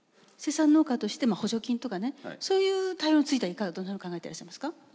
生産農家としても補助金とかねそういう対応についてはどんなふうに考えていらっしゃいますか。